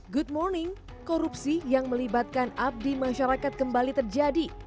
good morning korupsi yang melibatkan abdi masyarakat kembali terjadi